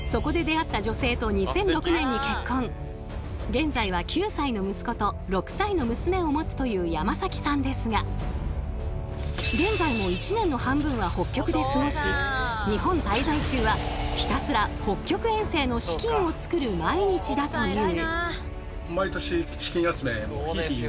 現在は９歳の息子と６歳の娘を持つという山崎さんですが現在も一年の半分は北極で過ごし日本滞在中はひたすら北極遠征の資金をつくる毎日だという。